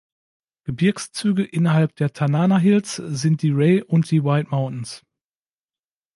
Gebirgszüge innerhalb der Tanana Hills sind die Ray und die White Mountains.